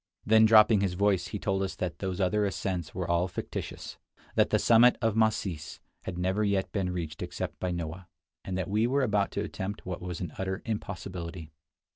Then dropping his voice, he told us that those other ascents were all fictitious; that the summit of "Masis" had never yet been reached except by Noah; and that we were about to attempt what was an utter impossibility.